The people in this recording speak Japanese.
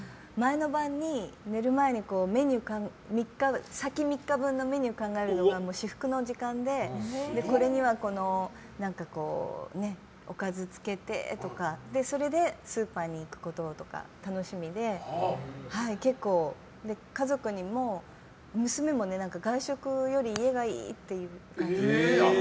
寝る前に先３日分のメニューを考えるのが至福の時間でこれにはおかずを付けてとかそれでスーパーに行くこととか楽しみで家族にも、娘も外食より家がいいっていう感じで。